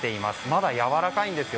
まだやわらかいんです。